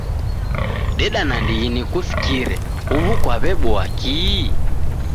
Deda nandighi nikusikire uw'u kwaweboa kii?